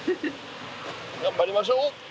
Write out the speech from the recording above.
頑張りましょう！